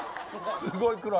すごい黒い！